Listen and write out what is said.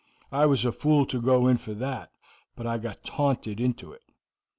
I was a fool to go in for that, but I got taunted into it.